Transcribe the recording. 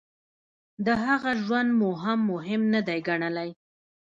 د هغه ژوند مو هم مهم نه دی ګڼلی.